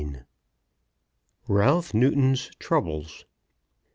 RALPH NEWTON'S TROUBLES.